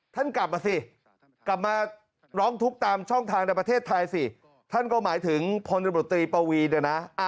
ท่านกลับมาสิกลับมาร้องทุกข์ตามช่องทางในประเทศไทยสิท่านก็หมายถึงพลตำรวจตรีปวีเนี่ยนะ